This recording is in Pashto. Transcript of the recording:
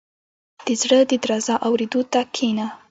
• د زړه د درزا اورېدو ته کښېنه.